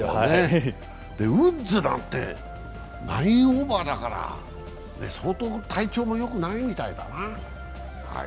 ウッズなんて９オーバーだから相当体調もよくないみたいだな。